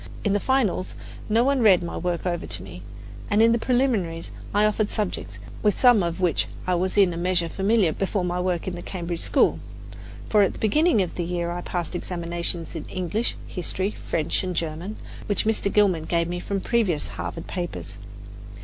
In the finals, no one read my work over to me, and in the preliminaries I offered subjects with some of which I was in a measure familiar before my work in the Cambridge school; for at the beginning of the year I had passed examinations in English, History, French and German, which Mr. Gilman gave me from previous Harvard papers.